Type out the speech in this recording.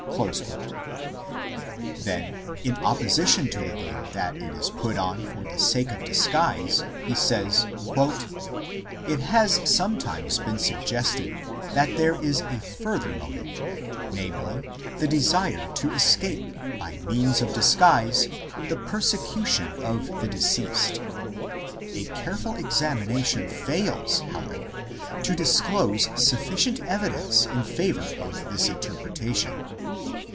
Then, in opposition to the view that it is put on for the sake of disguise, he says :" It has sometimes been suggested that there is a further motive, namely the desire to escape by means of disguise the persecution of the deceased. A careful examination fails, however, to disclose sufficient evidence in favour of this interpretation.